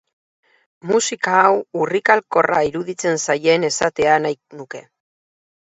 Musika hau urrikalkorra iruditzen zaien esatea nahi nuke.